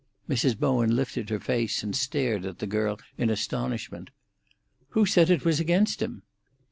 Mrs. Bowen lifted her face and stared at the girl in astonishment. "Who said it was against him?"